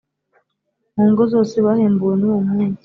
mu ngo zose bahembuwe nuwo munsi